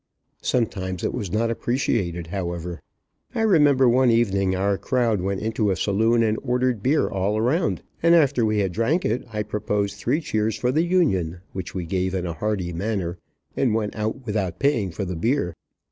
Sometimes it was not appreciated, however. I remember one evening our crowd went into a saloon and ordered beer all around, and after we had drank it, I proposed three cheers for the Union, which we gave in a hearty manner, and went out without paying for the beer.